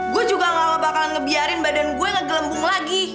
gue juga gak bakal ngebiarin badan gue ngegelembung lagi